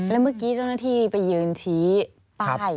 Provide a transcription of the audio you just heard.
แล้วเมื่อกี้เจ้าหน้าที่ไปยืนชี้ป้าย